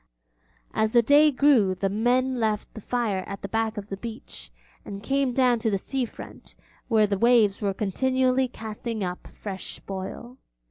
As the day grew the men left the fire at the back of the beach, and came down to the sea front where the waves were continually casting up fresh spoil.